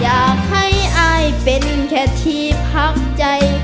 อยากให้อายเป็นแค่ที่พักใจ